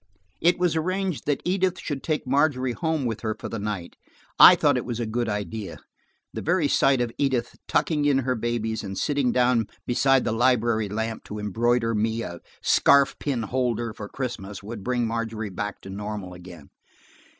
It was arranged that Edith should take Margery home with her for the night. I thought it a good idea; the very sight of Edith tucking in her babies and sitting down beside the library lamp to embroider me a scarfpin holder for Christmas would bring Margery back to normal again.